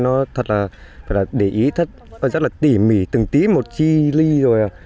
phải là để ý rất là tỉ mỉ từng tí một chi ly rồi